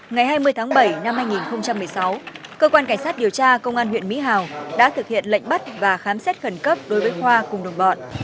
ngày hai mươi tháng bảy năm hai nghìn một mươi sáu cơ quan cảnh sát điều tra công an huyện mỹ hào đã thực hiện lệnh bắt và khám xét khẩn cấp đối với khoa cùng đồng bọn